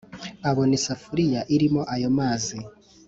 abona isafuriya irimo ayo mazi,